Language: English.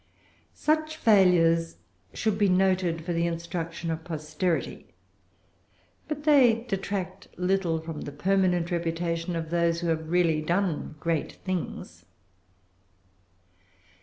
Such failures should be noted for the instruction of posterity; but they detract little from the permanent reputation of those who have really done great things.